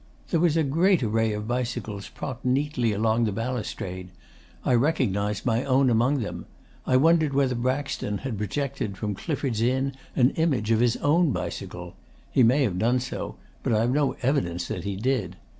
There was a great array of bicycles propped neatly along the balustrade. I recognised my own among them. I wondered whether Braxton had projected from Clifford's Inn an image of his own bicycle. He may have done so; but I've no evidence that he did.